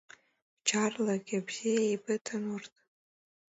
Бџьарлагьы бзиа еибыҭан урҭ…